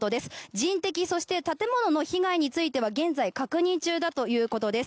人的、そして建物の被害については現在、確認中だということです。